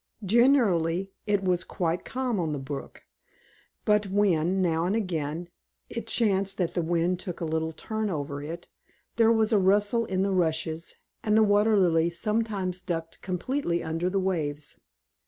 Generally it was quite calm on the brook. But when, now and again, it chanced that the wind took a little turn over it, there was a rustle in the rushes, and the Water Lily sometimes ducked completely under the waves.